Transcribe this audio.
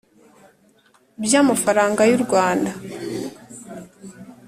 by amafaranga y u Rwanda